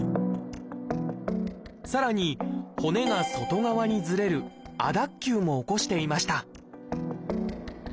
さらに骨が外側にずれる亜脱臼も起こしていました。